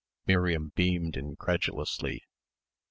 Miriam beamed incredulously.